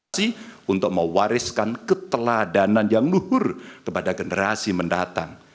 untuk mewariskan keteladanan yang luhur kepada generasi mendatang